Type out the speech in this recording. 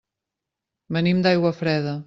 Venim d'Aiguafreda.